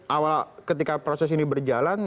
awal ketika proses ini berjalan